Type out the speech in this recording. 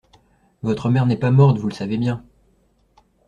Votre mère n'est pas morte, vous le savez bien.